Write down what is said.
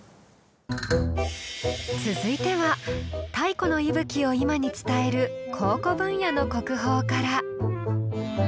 続いては太古の息吹を今に伝える「考古」分野の国宝から。